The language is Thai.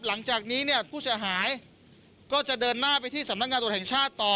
หลังจากนี้เนี่ยผู้เสียหายก็จะเดินหน้าไปที่สำนักงานตรวจแห่งชาติต่อ